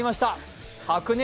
白熱！